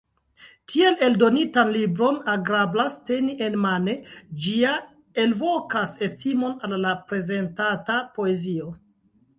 Tiel eldonitan libron agrablas teni enmane, ĝi ja elvokas estimon al la prezentata poezio.